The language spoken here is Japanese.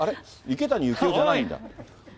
池谷幸雄じゃないんだ？